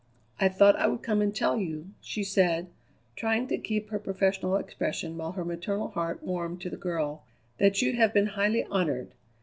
"I thought I would come and tell you," she said, trying to keep her professional expression while her maternal heart warmed to the girl, "that you have been highly honoured.